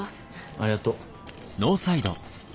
ありがとう。